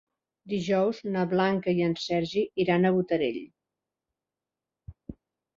Dijous na Blanca i en Sergi iran a Botarell.